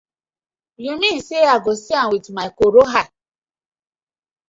Yu mean say I go see am wit my koro eye?